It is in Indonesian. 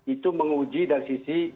itu menguji dari sisi